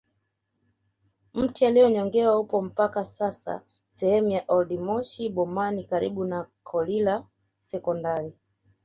Mti aliyonyongewa upo mpaka sasa sehemu ya oldmoshi bomani karibu na kolila sekondari